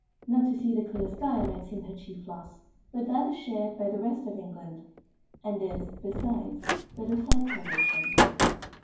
Not to see the clear sky might seem her chief loss, but that is shared by the rest of England, and is, besides, but a slight privation.